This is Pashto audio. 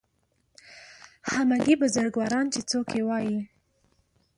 همګي بزرګواران چې څوک یې وایي